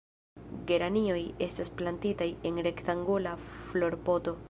Geranioj estas plantitaj en rektangula florpoto.